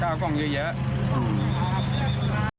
ก็อยากให้เขาหาตัวให้ได้เขากล้องก็มีปล่อยถังกล้ากล้องเยอะ